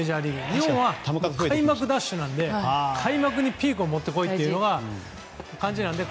日本は開幕ダッシュなので開幕にピークを持ってこいという感じなので。